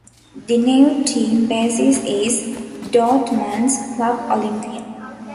The new team basis is Dortmund's Club Olympia.